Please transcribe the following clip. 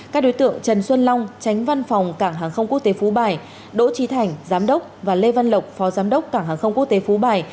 các đối tượng trần xuân long tránh văn phòng cảng hàng không quốc tế phú bài đỗ trí thành giám đốc và lê văn lộc phó giám đốc cảng hàng không quốc tế phú bài